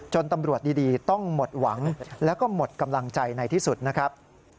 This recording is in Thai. ตำรวจดีต้องหมดหวังแล้วก็หมดกำลังใจในที่สุดนะครับ